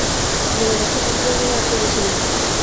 নলিনাক্ষ বসিবার ঘরে আসিয়া বসিল।